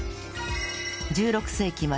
１６世紀末